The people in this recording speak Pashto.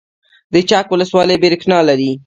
د چک ولسوالۍ بریښنا لري